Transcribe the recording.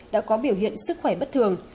đã có biểu hiện sức khỏe bất thường